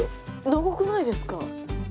長くないですか？